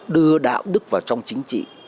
đưa đạo đức vào trong chính trị